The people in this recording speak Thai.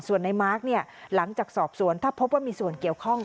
ส่วนในมาร์คหลังจากสอบสวนถ้าพบว่ามีส่วนเกี่ยวข้อง